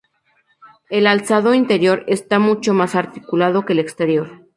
El alzado interior está mucho más articulado que el exterior.